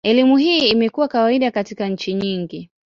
Elimu hii imekuwa kawaida katika nchi nyingi.